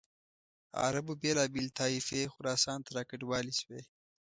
عربو بېلابېلې طایفې خراسان ته را کډوالې شوې.